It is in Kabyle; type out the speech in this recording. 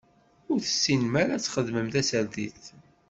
Ur tessinem ara ad txedmem tasertit.